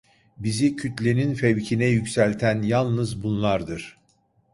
Bizi kütlenin fevkine yükselten yalnız bunlardır.